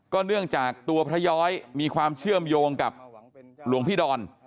เนื่องจากตัวพระย้อยมีความเชื่อมโยงกับหลวงพี่ดอน